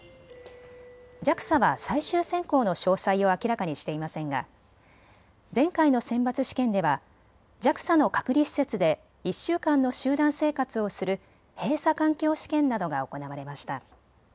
ＪＡＸＡは最終選考の詳細を明らかにしていませんが前回の選抜試験ではＪＡＸＡの隔離施設で１週間の集団生活をする閉鎖環境試験などが行われました。